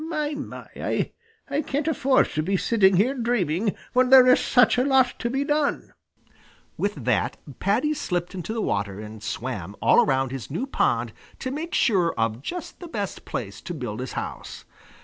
My, my, I can't afford to be sitting here dreaming, when there is such a lot to be done!" With that Paddy slipped into the water and swam all around his new pond to make sure of just the best place to build his house.